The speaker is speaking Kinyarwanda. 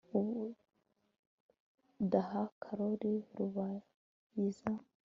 Ubudaha Karoli Rubayiza